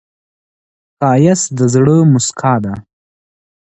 ښایست د زړه موسکا ده